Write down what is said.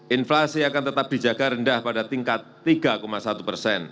inflasi akan tetap dijaga rendah pada tingkat tiga satu persen